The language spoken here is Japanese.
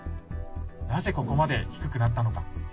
なぜ、ここまで低くなったのか。